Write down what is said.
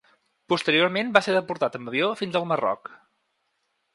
Posteriorment va ser deportat amb avió fins al Marroc.